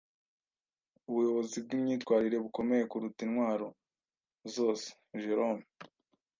Ubuyobozi bwimyitwarire bukomeye kuruta intwaro zose. (jerom)